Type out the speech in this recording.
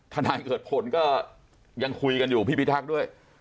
นายเกิดผลก็ยังคุยกันอยู่พี่พิทักษ์ด้วย